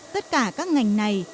tất cả các ngành này